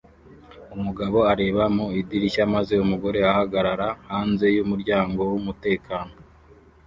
Umwana areba mu idirishya maze umugore ahagarara hanze yumuryango wumutekano